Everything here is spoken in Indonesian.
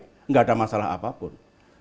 tidak ada masalah apapun